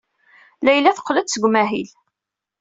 Layla teqqel-d seg umahil.